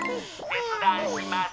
せつだんします。